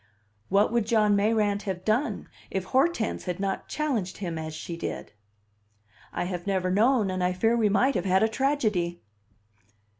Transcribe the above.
What would John Mayrant have done if Hortense had not challenged him as she did? I have never known, and I fear we might have had a tragedy.